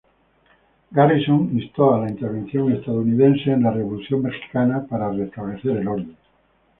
Garrison instó a la intervención estadounidense en la revolución mexicana para restablecer el orden.